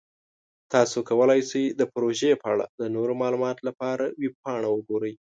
تاسو کولی شئ د پروژې په اړه د نورو معلوماتو لپاره ویب پاڼه وګورئ.